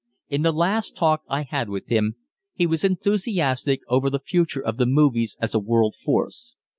In the last talk that I had with him, he was enthusiastic over the future of the movies as a world force.